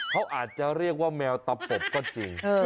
เขาอาจจะเรียกว่าแมวตะปบก็จริง